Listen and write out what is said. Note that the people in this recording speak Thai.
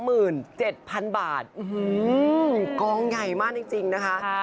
อื้อฮือกองใหญ่มากจริงนะคะ